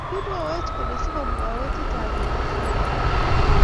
Kimwawech kole sikomwaiwech chechang eng atindoniot.